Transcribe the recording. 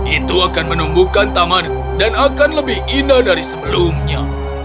itu akan menumbuhkan tamanku dan akan lebih indah dari sebelumnya